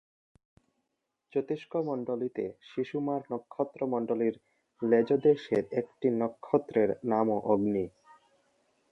জ্যোতিষ্কমন্ডলীতে শিশুমার নক্ষত্রমন্ডলীর লেজদেশের একটি নক্ষত্রের নামও অগ্নি।